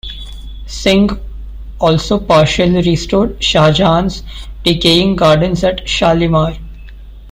Singh also partially restored Shah Jahan's decaying gardens at Shalimar.